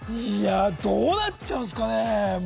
どうなっちゃうんですかね！